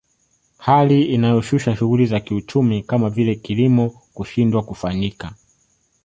Hali inayoshusha shughuli za kiuchumi kama vile kilimo kushindwa kufanyika